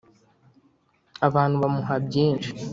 abantu bamuha byinshi